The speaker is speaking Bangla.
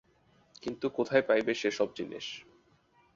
কিন্তু কোথায় পাইবে সে সব জিনিস?